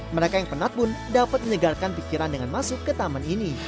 mereka yang penat pun dapat menyegarkan pikiran dengan masuk ke taman ini